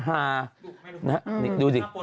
ฮะองค์ดูสิ